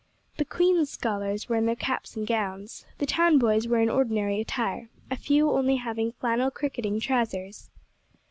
The Queen's Scholars were in their caps and gowns, the town boys were in ordinary attire, a few only having flannel cricketing trousers.